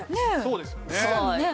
そうですよね。